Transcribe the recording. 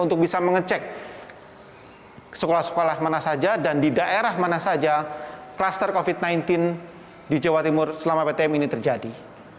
untuk bisa mengecek sekolah sekolah mana saja dan di daerah mana saja kluster covid sembilan belas di jawa timur selama ptm ini terjadi